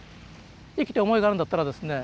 生きて思いがあるんだったらですね